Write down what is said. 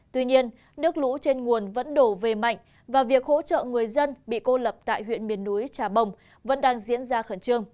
tuy nhiên nước lũ trên nguồn vẫn đổ về mạnh và việc hỗ trợ người dân bị cô lập tại huyện miền núi trà bồng vẫn đang diễn ra khẩn trương